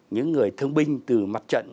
những người thương binh từ mặt trận